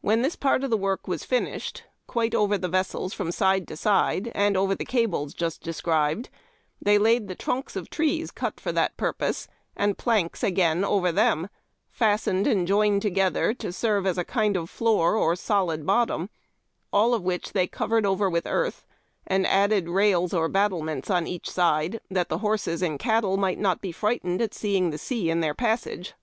When this part of the work was finished, quite over the vessels from side to side, and over the cables just described, they laid the trunks of trees cut for that purpose, and planks again over them, fastened and joined together to serve as a Idnd of floor or solid bottom : all which they covered over with earth, and added rails or battlements on each side that the horses and cattle might not be frightened at seeing the sea in their passage."